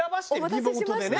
リモートでね！